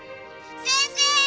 先生！